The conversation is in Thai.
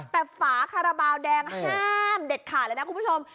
แต่ฝาคาราบาลแดงห้ามเด็ดขาดเลยนะคุณผู้ชม